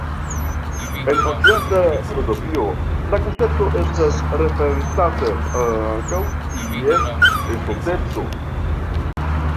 En Okcidenta filozofio la koncepto estas referencata ankaŭ kiel "estonteco".